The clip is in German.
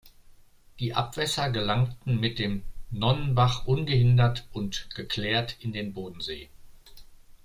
Die Abwässer gelangten mit dem Nonnenbach ungehindert und -geklärt in den Bodensee.